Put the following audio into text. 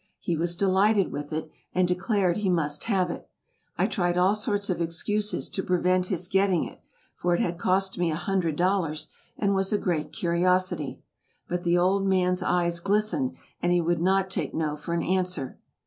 He was delighted with it, and declared he must have it. I tried all sorts of excuses to prevent his getting it, for it had cost me a hundred dollars and was a great curiosity. But the old man's eyes glistened, and he would not take "no" for an answer.